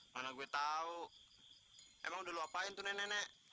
mana gue tau emang udah lupain tuh nenek nenek